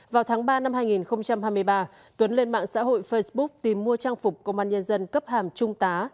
vào tháng ba năm hai nghìn hai mươi ba tuấn lên mạng xã hội facebook tìm mua trang phục công an nhân dân cấp hàm trung tá